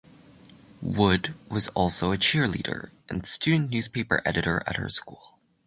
Wood was also a cheerleader and student newspaper editor at her school.